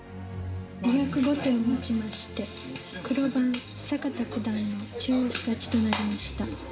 ２０５手をもちまして黒番坂田九段の中押し勝ちとなりました。